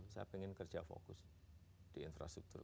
saya ingin kerja fokus di infrastruktur